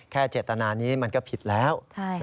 เจตนานี้มันก็ผิดแล้ว